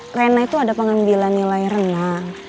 rena itu ada pengambilan nilai rena